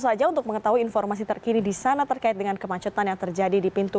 saja untuk mengetahui informasi terkini di sana terkait dengan kemacetan yang terjadi di pintu